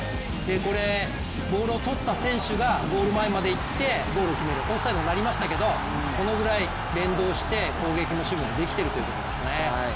これ、ボールを取った選手がゴール前まで行ってゴールを決めるオフサイドになりましたけど、それぐらい連動して攻撃も守備もできているということですね